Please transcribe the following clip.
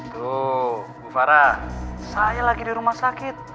tuh bu farah saya lagi di rumah sakit